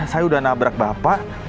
saya udah nabrak bapak